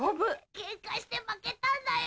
ケンカして負けたんだよ！